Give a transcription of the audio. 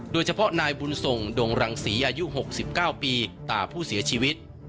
โดยเฉพาะนายบุญส่งดงรังศรีอายุ๖๙ปีตาผู้เสียชีวิต